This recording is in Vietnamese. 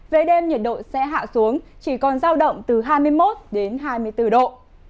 về đêm nhiệt độ sẽ hạ xuống chỉ còn giao động từ hai mươi một hai mươi bốn độ